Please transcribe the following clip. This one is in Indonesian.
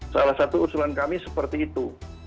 salah satu usulan kami seperti itu